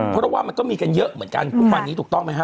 เพราะว่ามันก็มีกันเยอะเหมือนกันทุกวันนี้ถูกต้องไหมฮ